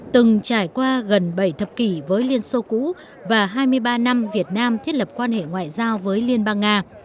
từng trải qua gần bảy thập kỷ với liên xô cũ và hai mươi ba năm việt nam thiết lập quan hệ ngoại giao với liên bang nga